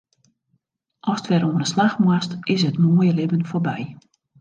Ast wer oan 'e slach moatst, is it moaie libben foarby.